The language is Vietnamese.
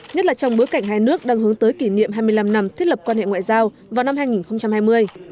nhất là trong bối cảnh hai nước đang hướng tới kỷ niệm hai mươi năm năm thiết lập quan hệ ngoại giao vào năm hai nghìn hai mươi